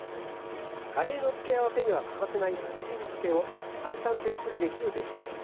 カレーの付け合わせには欠かせない福神漬けを簡単手づくりできるレシピです。